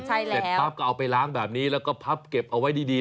ใช่แล้วเสร็จปั๊บก็เอาไปล้างแบบนี้แล้วก็พับเก็บเอาไว้ดีดี